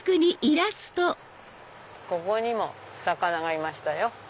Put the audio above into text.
ここにも魚がいましたよ。